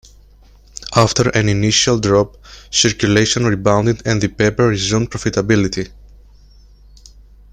After an initial drop, circulation rebounded and the paper resumed profitability.